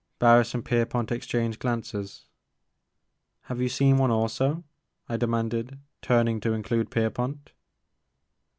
'' Barris and Pierpont exchanged glances. Have you seen one also ?" I demanded, turn ing to include Pierpont.